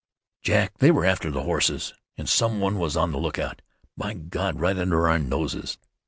"Jack, they were after the horses, and some one was on the lookout! By God! right under our noses!"